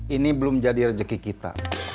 ini belum jadi rezeki kita